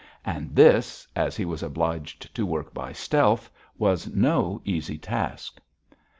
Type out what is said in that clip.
And this, as he was obliged to work by stealth, was no easy task.